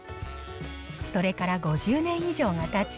それから５０年以上がたち、